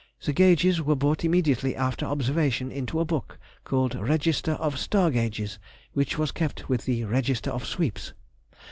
The gauges were brought immediately after observations into a book called "Register of Star Gauges," which was kept with the "Register of Sweeps."